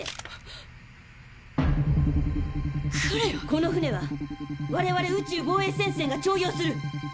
この船は我々宇宙防衛戦線が徴用する！